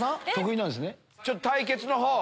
ちょっと対決の方。